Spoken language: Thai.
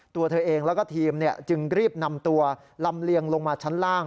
ตัวเธอเองแล้วก็ทีมจึงรีบนำตัวลำเลียงลงมาชั้นล่าง